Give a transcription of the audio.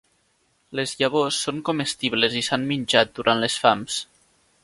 Les llavors són comestibles i s'han menjat durant les fams.